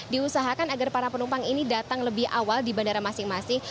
diusahakan agar para penumpang ini datang lebih awal di bandara masing masing